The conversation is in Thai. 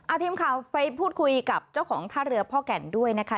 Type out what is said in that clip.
ทีมข่าวไปพูดคุยกับเจ้าของท่าเรือพ่อแก่นด้วยนะคะ